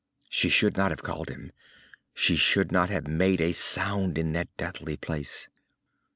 She should not have called him. She should not have made a sound in that deathly place.